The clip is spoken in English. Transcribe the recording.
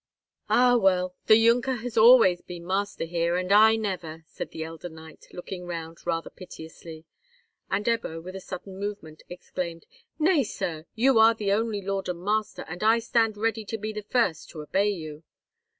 "Ah, well! the Junker has always been master here, and I never!" said the elder knight, looking round rather piteously; and Ebbo, with a sudden movement, exclaimed, "Nay, sir, you are the only lord and master, and I stand ready to be the first to obey you."